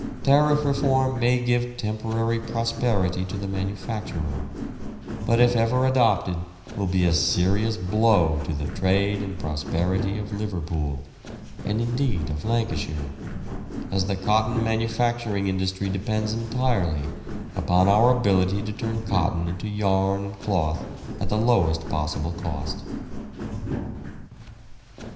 Tariff Reform may give temporary prosperity to the manufacturer, but if ever adopted will be a serious blow to the trade and prosperity of Liverpool, and indeed of Lancashire, as the cotton manufacturing industry depends entirely upon our ability to turn cotton into yarn and cloth at the lowest possible cost.